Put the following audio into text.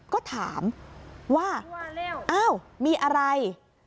ก็ถามว่าอ้าวมีอะไร